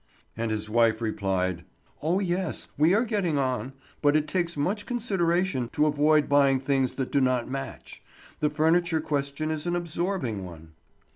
And his wife replied: "Oh, yes. We are getting on. But it takes much consideration to avoid buying things that do not match. The furniture question is an absorbing one."